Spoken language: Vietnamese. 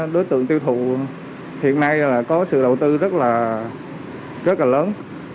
đối tượng tiêu thụ hiện nay là có sự đầu tư rất là lớn